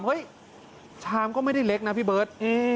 ชามก็ไม่ได้เล็กนะพี่เบิร์ต